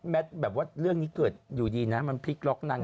แบบว่าเรื่องนี้เกิดอยู่ดีนะมันพลิกล็อกนาง